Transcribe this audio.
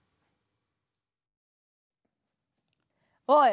おい！